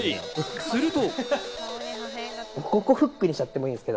すると。